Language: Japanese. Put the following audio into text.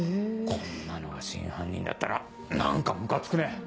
こんなのが真犯人だったら何かムカつくね！